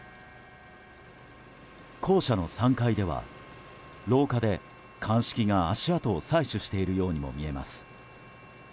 校舎の３階では廊下で鑑識が足跡を採取しているようにも見えます。